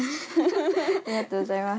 ありがとうございます。